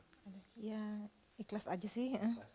ya ikhlas aja sih